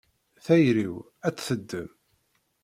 Tayri-w ad tt-teddem.